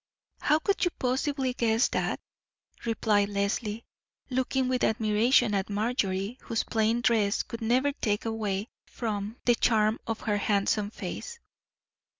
"How could you possibly guess that?" replied Leslie, looking with admiration at Marjorie whose plain dress could never take away from the charm of her handsome face.